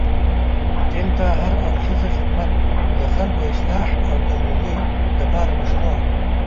دين ته هر اړخيزه خدمت، د خلګو اصلاح او د هغوی لپاره مشروع